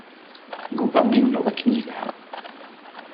Yuba yennuɣ akken yelha.